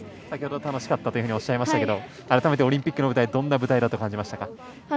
先ほど、楽しかったとおっしゃいましたが改めてオリンピックの舞台はどんな舞台だと感じましたか？